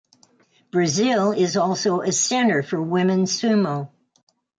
Brazil is also a center for women's sumo.